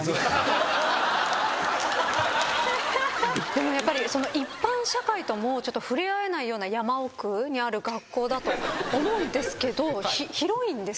でもやっぱり一般社会とも触れ合えないような山奥にある学校だと思うんですけど広いんですか？